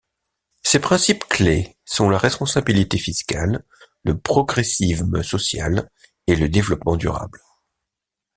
Ses principes clés sont la responsabilité fiscale, le progressisme social et le développement durable.